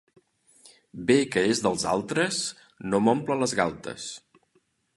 Bé que és dels altres no m'omple les galtes.